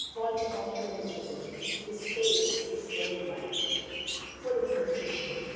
Baltimore, too, has risen. His face is very white, very full of contrition.